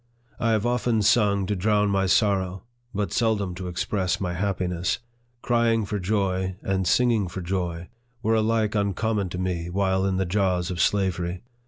I have often sung to drown my sor row, but seldom to express my happiness. Crying for joy, and singing for joy, were alike uncommon to me while in the jaws of slavery.